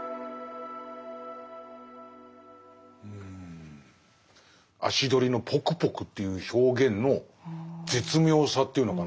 うん足取りの「ぽくぽく」という表現の絶妙さというのかな。